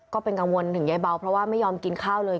ก็เป็นกังวลถึงยายเบาเพราะว่าไม่ยอมกินข้าวเลย